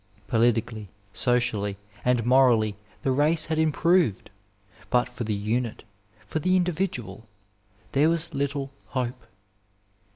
Politically, socially, and morally the race had improved, but for the unit, for the individual, there was little hope.